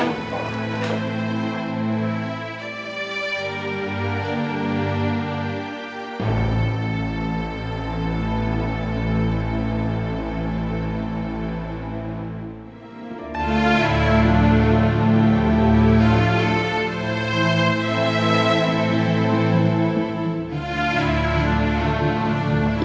jadi kita harus bosip